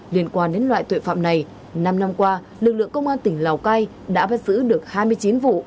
liên quan đến loại tội phạm này năm năm qua lực lượng công an tỉnh lào cai đã bắt giữ được hai mươi chín vụ